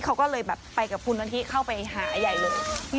เขาก็เลยไปกับบุรณฐีเข้าไปหาใหญ่เลย